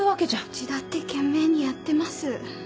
うちだって懸命にやってます。